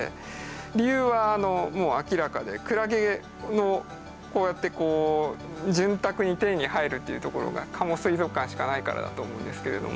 理由はもう明らかでクラゲのこうやってこう潤沢に手に入るっていうところが加茂水族館しかないからだと思うんですけれども。